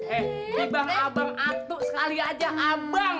eh ibang abang atuk sekali aja abang